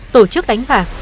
tổ chức đánh bạc